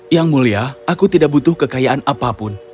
yang mulia aku tidak butuh kekayaan apapun